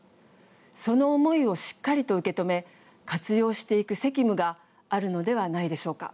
その思いをしっかりと受け止め活用していく責務があるのではないでしょうか。